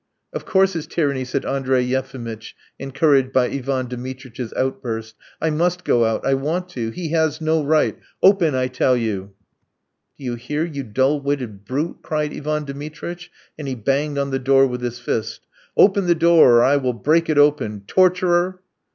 "Of course it's tyranny," said Andrey Yefimitch, encouraged by Ivan Dmitritch's outburst. "I must go out, I want to. He has no right! Open, I tell you." "Do you hear, you dull witted brute?" cried Ivan Dmitritch, and he banged on the door with his fist. "Open the door, or I will break it open! Torturer!"